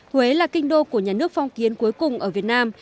huế là kinh đô của nhà nước phong kiến cuối cùng ở việt nam